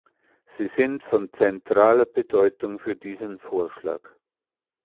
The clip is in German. Sie sind von zentraler Bedeutung für diesen Vorschlag.